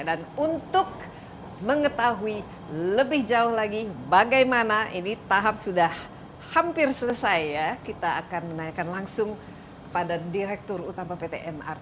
dan untuk mengetahui lebih jauh lagi bagaimana ini tahap sudah hampir selesai ya kita akan menanyakan langsung pada direktur utama pt mrt